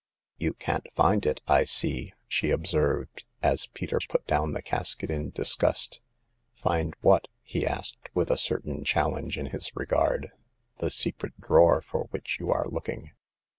You can't find it, I see," she observed, as Peters put down the casket in disgust. Find what V he asked, with a certain chal lenge in his regard. The secret drawer for which you are looking."